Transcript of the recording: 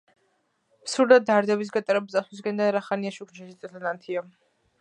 მსურდა დარდების გატარება წარსულისაკენ და რახანია შუქნიშანზე წითლად ანთია.